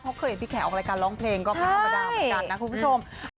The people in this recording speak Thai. เขาเคยเห็นพี่แขกออกรายการร้องเพลงก็ไม่ธรรมดาเหมือนกันนะคุณผู้ชม